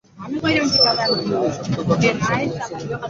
সারি সারি এসব দোকানের সামনে স্তূপ করে রাখা হয়েছে হরেক রকম জিনিস।